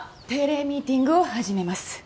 定例ミーティングを始めます。